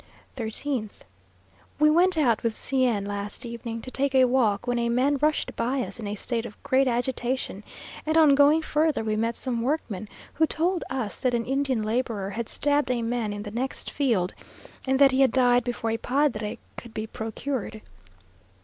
13th. We went out with C n last evening, to take a walk; when a man rushed by us in a state of great agitation, and on going further we met some workmen, who told us that an Indian labourer had stabbed a man in the next field, and that he had died before a padre could be procured.